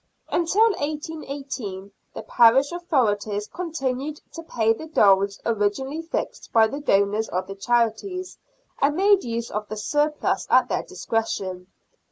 Until 1818 the parish authorities continued to pay the doles originally fixed by the donors of the charities, and made use of the surplus at their discretion.